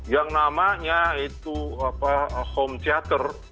yang namanya itu home theater